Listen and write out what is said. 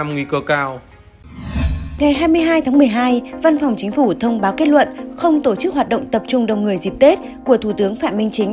ngày hai mươi hai tháng một mươi hai văn phòng chính phủ thông báo kết luận không tổ chức hoạt động tập trung đông người dịp tết của thủ tướng phạm minh chính